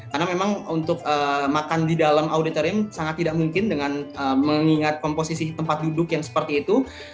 karena memang untuk makan di dalam auditorium sangat tidak mungkin dengan mengingat komposisi tempat duduk yang seperti itu